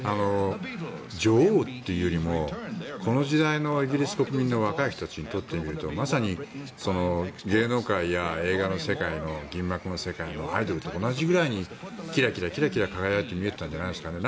女王っていうよりもこの時代のイギリス国民の若い人たちにとってみるとまさに芸能界や映画の世界、銀幕の世界のアイドルと同じぐらいにキラキラ輝いて見えていたんじゃないですかね。